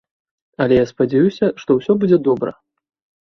Але я спадзяюся, што ўсё будзе добра.